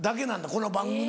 この番組。